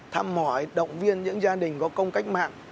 thăm mỏi động viên những gia đình có công cách mạng